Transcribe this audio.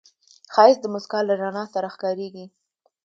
ښایست د موسکا له رڼا سره ښکاریږي